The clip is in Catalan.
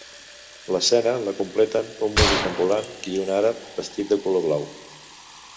L'escena la completen un músic ambulant i un àrab vestit de color blau.